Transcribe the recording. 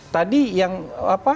tadi yang apa